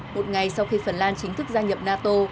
một ngày sau khi phần lan chính thức gia nhập nato